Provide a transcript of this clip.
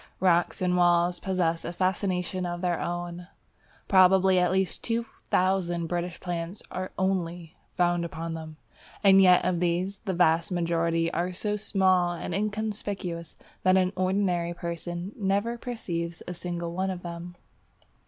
Rocks and walls possess a fascination of their own. Probably at least 2000 British plants are only found upon them, and yet of these, the vast majority are so small and inconspicuous that an ordinary person never perceives a single one of them.